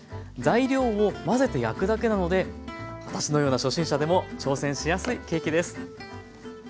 材料を混ぜて焼くだけなので私のような初心者でも挑戦しやすいケーキです。